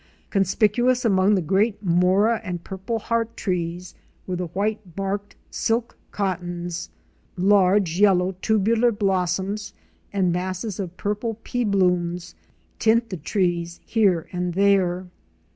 Conspicuous among the great Mora and Purple heart trees were the white barked Silk Cottons. Large yellow tubular blossoms and masses of purple pea blooms tint the trees here and there.